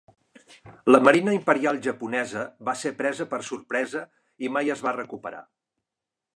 La Marina Imperial Japonesa va ser presa per sorpresa i mai es va recuperar.